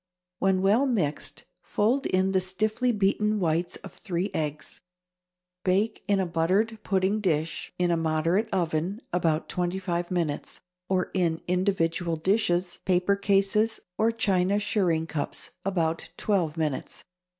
When well mixed, fold in the stiffly beaten whites of three eggs. Bake in a buttered pudding dish, in a moderate oven, about twenty five minutes, or in individual dishes, paper cases, or china shirring cups, about twelve minutes.